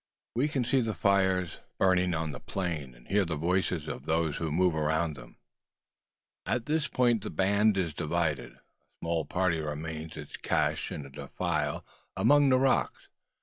We can see the fires burning on the plain, and hear the voices of those who move around them. At this point the band is divided. A small party remains making its cache in a defile among the rocks.